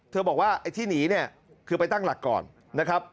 บอกว่าไอ้ที่หนีเนี่ยคือไปตั้งหลักก่อนนะครับ